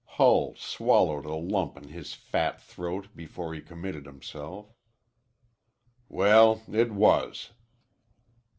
Hull swallowed a lump in his fat throat before he committed himself. "Well, it was."